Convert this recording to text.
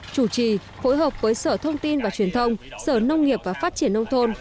chủ trì phối hợp với sở thông tin và truyền thông sở nông nghiệp và phát triển nông thôn